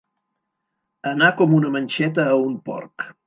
Anar com una manxeta a un porc.